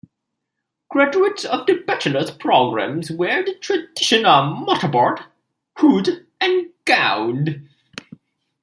Graduates of the Bachelors' programs wear the traditional mortarboard, hood and gown.